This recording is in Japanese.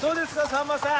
さんまさん。